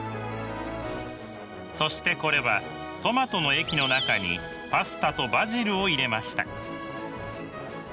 そしてこれはトマトの液の中にパスタとバジルを入れました。